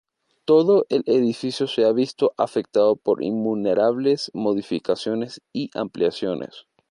Todo el edificio se ha visto afectado por innumerables modificaciones y ampliaciones.